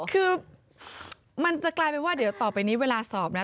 คือมันจะกลายเป็นว่าเดี๋ยวต่อไปนี้เวลาสอบนะ